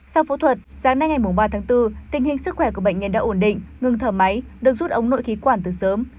sau phẫu thuật sáng nay ngày ba tháng bốn tình hình sức khỏe của bệnh nhân đã ổn định ngừng thở máy được rút ống nội khí quản từ sớm